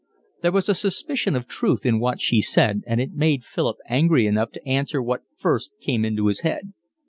There was a suspicion of truth in what she said, and it made Philip angry enough to answer what first came into his head.